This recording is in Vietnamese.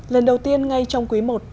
lần đầu tiên ngay trong quý i